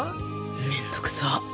めんどくさ